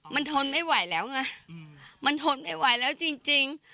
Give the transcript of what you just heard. มันทนไม่ไหวแล้วไงมันทนไม่ไหวแล้วจริง